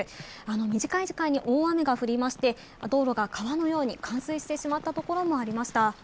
短い時間に大雨が降りまして、道路が川のように冠水してしまったところもありました。